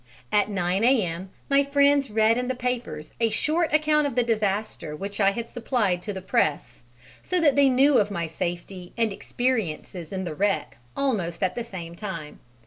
At 9 A.M. my friends read in the papers a short account of the disaster which I had supplied to the press, so that they knew of my safety and experiences in the wreck almost at the same time.